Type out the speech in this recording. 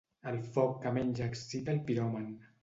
El foc que menys excita el piròman.